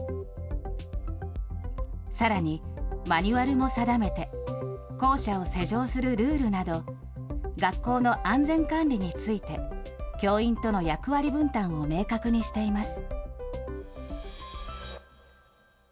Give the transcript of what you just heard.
さらに、マニュアルも定めて、校舎を施錠するルールなど、学校の安全管理について、教員との役割分担を明確にしています。